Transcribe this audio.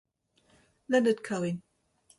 Let it come in.